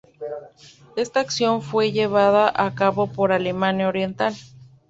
Esta acción fue llevada a cabo por Alemania Oriental.